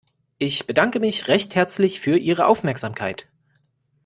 Ich bedanke mich recht herzlich für Ihre Aufmerksamkeit.